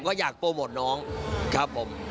ก็อยากโปรโมทน้องครับผม